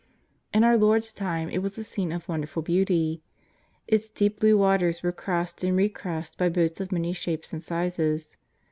In our Lord's time it was a scene of wonderful beauty. Its deep blue waters were crossed and recrossed by boats of many shapes and sizes.